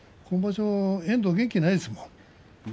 今場所の遠藤は元気ないですよ。